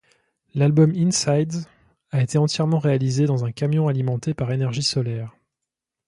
L'album In Sides a été entièrement réalisé dans un camion alimenté par énergie solaire.